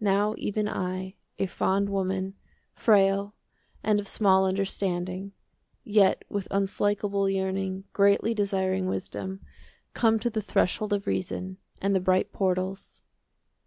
Now even I, a fond woman, Frail and of small understanding, 20 Yet with unslakable yearning Greatly desiring wisdom, Come to the threshold of reason And the bright portals.